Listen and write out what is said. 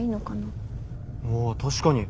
あ確かに。